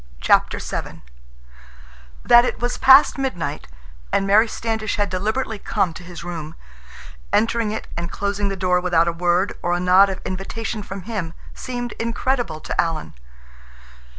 CHAPTER VII That it was past midnight, and Mary Standish had deliberately come to his room, entering it and closing the door without a word or a nod of invitation from him, seemed incredible to Alan.